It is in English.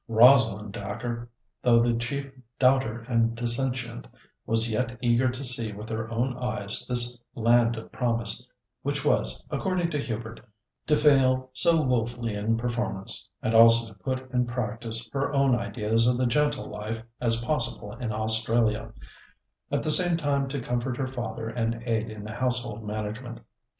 Rosalind Dacre, though the chief doubter and dissentient, was yet eager to see with her own eyes this land of promise, which was, according to Hubert, to fail so woefully in performance, and also to put in practice her own ideas of "the gentle life" as possible in Australia; at the same time to comfort her father and aid in the household management.